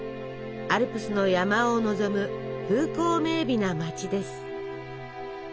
アルプスの山をのぞむ風光明美な街です。